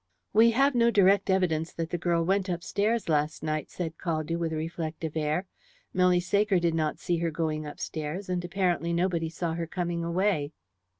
"We have no direct evidence that the girl went upstairs last night," said Caldew, with a reflective air. "Milly Saker did not see her going upstairs, and apparently nobody saw her coming away."